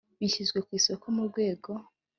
bishyizwe ku isoko mu rwego